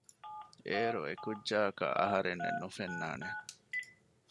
އޭރު އެކުއްޖާއަކަށް އަހަރެންނެއް ނުފެންނާނެ